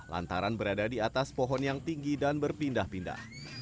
lantaran berada di atas pohon yang tinggi dan berpindah pindah